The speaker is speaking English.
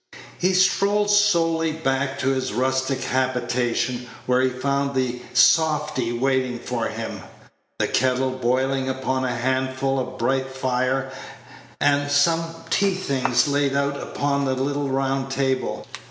He strolled slowly back to his rustic habitation, where he found the softy waiting for him; the kettle boiling upon a handful of bright fire, and some tea things laid out upon the little round table.